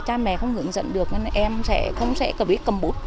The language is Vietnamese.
cha mẹ không hướng dẫn được nên em sẽ không biết cầm bút